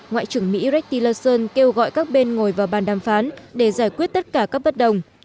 ngoại trưởng mỹ rektillson kêu gọi các bên ngồi vào bàn đàm phán để giải quyết tất cả các bất đồng